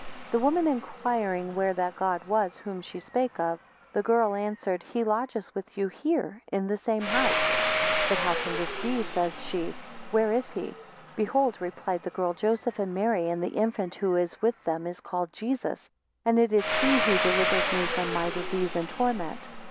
29 The woman inquiring where that God was, whom she spake of; the girl answered, He lodges with you here, in the same house. 30 But how can this be? says she; where is he? Behold, replied the girl, Joseph and Mary; and the infant who is, with them is called Jesus; and it is he who delivered me from my disease and torment.